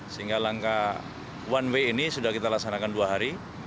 sehingga langkah one way ini sudah kita laksanakan dua hari